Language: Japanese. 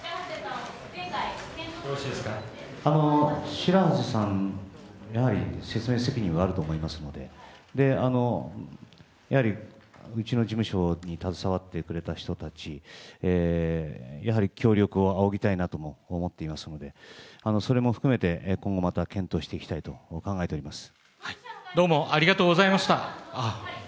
白波瀬さん、やはり説明責任があると思いますので、うちの事務所に携わってくれた人たち協力をあおぎたいと思っておりますので、それも含めて今後、また検討していきたいと考えております。